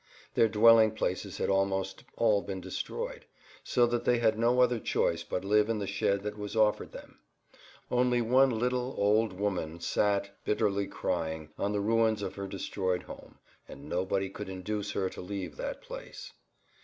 Their dwelling places had almost all been destroyed, so that they had no other choice but live in the shed that was offered them. Only one little, old woman sat, bitterly crying, on the ruins of her destroyed home, and nobody could induce her to leave that place.